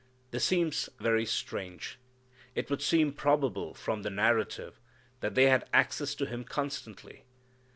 This seems very strange. It would seem probable from the narrative that they had access to Him constantly.